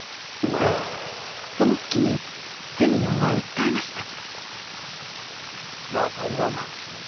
その隙にセミヨンは訴えました。